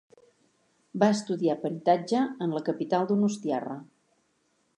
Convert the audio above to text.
Va estudiar peritatge en la capital donostiarra.